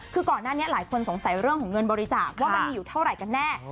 คือก่อนหน้านี้หลายคนสงสัยเรื่องของเงินบริจาคว่ามันมีอยู่เท่าไหร่กันแน่